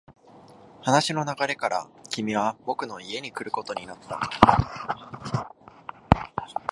話の流れから、君は僕の家に来ることになった。